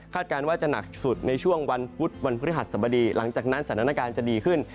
การว่าจะหนักสุดในช่วงวันพุธวันพฤหัสสบดีหลังจากนั้นสถานการณ์จะดีขึ้น